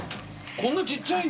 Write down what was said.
こんなちっちゃいんだ蜂。